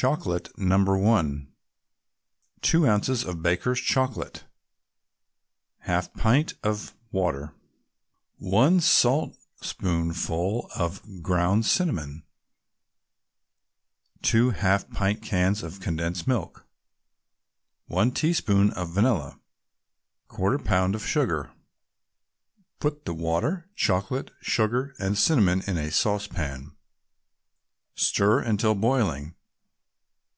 CHOCOLATE, No. 1 2 ounces of Baker's chocolate 1/2 pint of water 1 saltspoonful of ground cinnamon 2 half pint cans of condensed milk 1 teaspoonful of vanilla 1/4 pound of sugar Put the water, chocolate, sugar and cinnamon in a saucepan; stir until boiling.